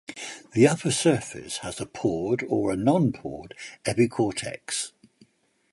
The upper surface has a pored or non-pored epicortex.